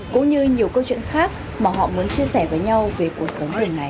cũng như nhiều câu chuyện khác mà họ muốn chia sẻ với nhau về cuộc sống thường ngày